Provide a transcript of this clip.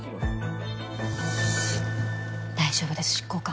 大丈夫です執行官。